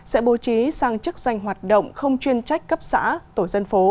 sẽ bố trí sang chức danh hoạt động không chuyên trách cấp xã